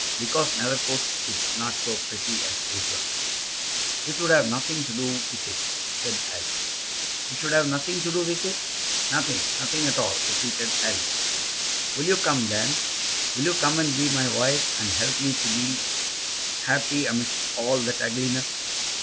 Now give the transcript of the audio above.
"Because Nethercoats is not so pretty as Lucerne." "It would have nothing to do with it," said Alice. "It should have nothing to do with it." "Nothing; nothing at all," repeated Alice. "Will you come, then? Will you come and be my wife, and help me to be happy amidst all that ugliness?